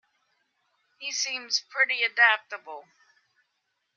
He seems pretty adaptable